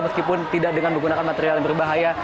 meskipun tidak dengan menggunakan material yang berbahaya